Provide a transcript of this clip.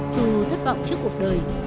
dù thất vọng trước cuộc đời